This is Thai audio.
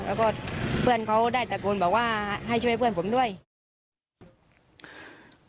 แล้วก็เพื่อนเขาได้ตะโกนบอกว่าให้ช่วยเพื่อนผมด้วย